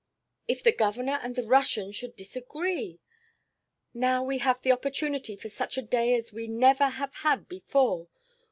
If the Governor and the Russian should disagree! Now we have the opportunity for such a day as we never have had before.